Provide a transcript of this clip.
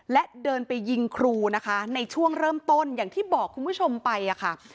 และเดินไปยิงครูนะคะในช่วงเริ่มต้นอย่างที่บอกคุณผู้ชมไปอะค่ะ